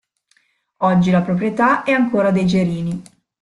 Oggi la proprietà è ancora dei Gerini.